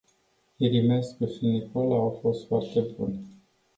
Irimescu și Nicola au fost foarte buni.